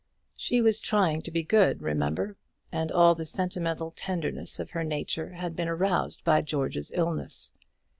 She was trying to be good, remember; and all the sentimental tenderness of her nature had been aroused by George's illness.